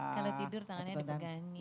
kalau tidur tangannya dipegangi